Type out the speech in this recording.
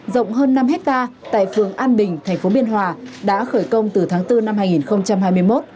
rộng hơn năm hectare tại phường an bình thành phố biên hòa đã khởi công từ tháng bốn năm hai nghìn hai mươi một